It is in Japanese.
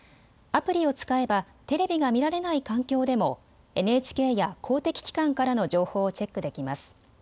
アプリを使えばテレビが見られない環境でもＮＨＫや公的機関からの情報をチェックできます。